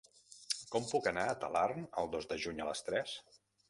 Com puc anar a Talarn el dos de juny a les tres?